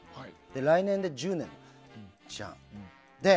来年で１０年じゃん。